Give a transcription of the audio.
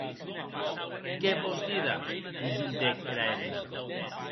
Qué vòs díder?, preguntèc era hemna.